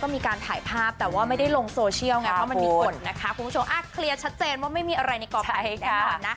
ไม่ครับก็เป็นเจกับน้องกันนี้แหละครับผม